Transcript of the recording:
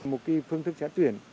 một cái phương thức xét tuyển